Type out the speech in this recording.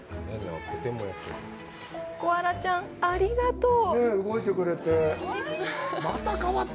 コアラちゃん、ありがとう！